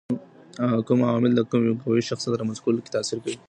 کوم عوامل د قوي شخصيت رامنځته کولو کي تاثیر کوي؟